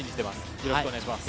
よろしくお願いします。